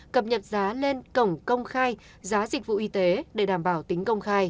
cập nhật giá lên cổng công khai giá dịch vụ y tế để đảm bảo tính công khai